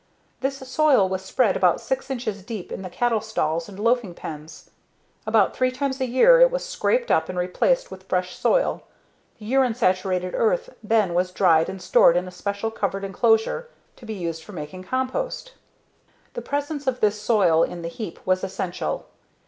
This soil was spread about six inches deep in the cattle stalls and loafing pen. About three times a year it was scraped up and replaced with fresh soil, the urine saturated earth then was dried and stored in a special covered enclosure to be used for making compost. The presence of this soil in the heap was essential.